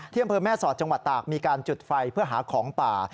อำเภอแม่สอดจังหวัดตากมีการจุดไฟเพื่อหาของป่า